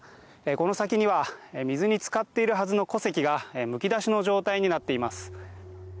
この先には水につかっているはずの古跡がむき出しの状態になっています。